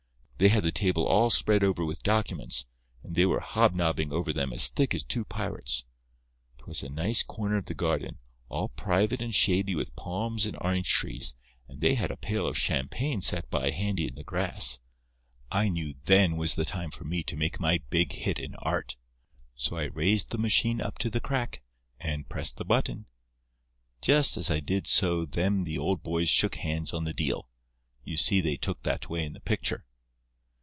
They had the table all spread over with documents, and they were hobnobbing over them as thick as two pirates. 'Twas a nice corner of the garden, all private and shady with palms and orange trees, and they had a pail of champagne set by handy in the grass. I knew then was the time for me to make my big hit in Art. So I raised the machine up to the crack, and pressed the button. Just as I did so them old boys shook hands on the deal—you see they took that way in the picture."